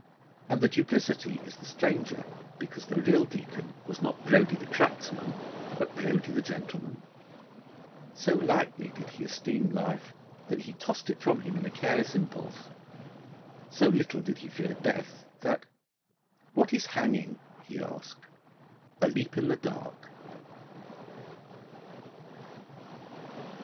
And the duplicity is the stranger, because the real Deacon was not Brodie the Cracksman, but Brodie the Gentleman. So lightly did he esteem life that he tossed it from him in a careless impulse. So little did he fear death that, 'What is hanging?' he asked. 'A leap in the dark.'